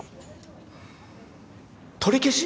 取り消し！？